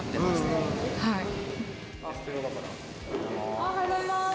・おはようございます！